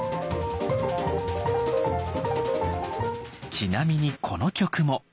ちなみにこの曲も。